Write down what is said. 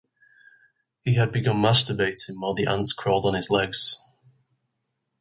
He had begun masturbating while the ants crawled on his legs.